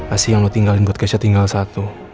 asih yang lo tinggalin buat keisha tinggal satu